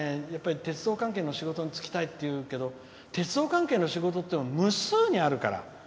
鉄道関係の仕事に就きたいっていうけど鉄道関係の仕事って無数にあるから。